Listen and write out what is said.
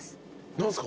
何すか？